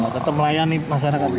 oh gak tetep melayani masyarakat